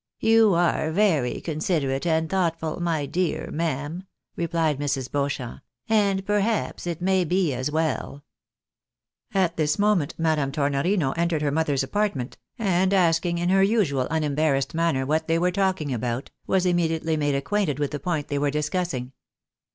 " You are very considerate and thoughtful, my dear ma'am," replied Mrs. Beauchamp, " and perhaps it may be as well " At this moment Madame Tornorino entered her apartment, and asking in her usual unembarrassed manner what they were talking about, was immediately made acquainted with the point they were discussing.